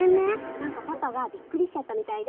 なんかパパがびっくりしちゃったみたいで。